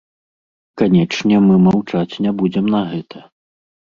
Канечне, мы маўчаць не будзем на гэта.